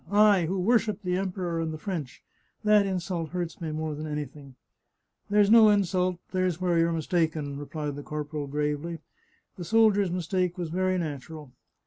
" I, who worship the Emperor and the French — that insult hurts me more than anything !"" There's no insult ; there's where you're mistaken," re plied the corporal gravely, " The soldiers' mistake was very natural."